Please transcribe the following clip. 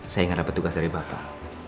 saya gak dapat tugas dari bapak